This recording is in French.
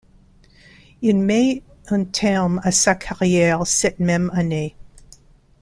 Il met un terme à sa carrière cette même année.